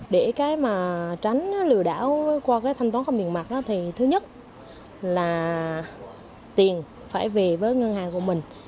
để tránh lừa đảo qua thanh toán không tiền mặt thứ nhất là tiền phải về với ngân hàng của mình